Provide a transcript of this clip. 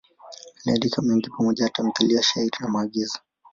Aliandika mengi pamoja na tamthiliya, shairi na maigizo.